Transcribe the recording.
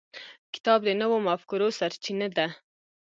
کتاب د نوو مفکورو سرچینه ده.